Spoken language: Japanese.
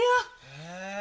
へえ。